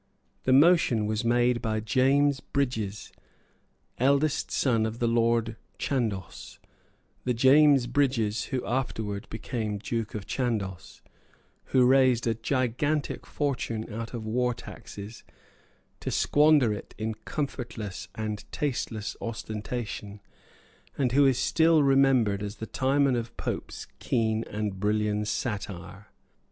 The motion was made by James Brydges, eldest son of the Lord Chandos, the James Brydges who afterwards became Duke of Chandos, who raised a gigantic fortune out of war taxes, to squander it in comfortless and tasteless ostentation, and who is still remembered as the Timon of Pope's keen and brilliant satire.